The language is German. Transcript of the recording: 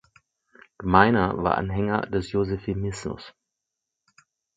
Gmeiner war Anhänger des Josephinismus.